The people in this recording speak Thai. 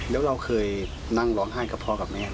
แล้วเราเคยนั่งร้องไห้กับพ่อกับแม่